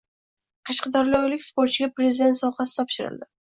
Qashqadaryolik sportchiga Prezident sovg‘asi topshirildi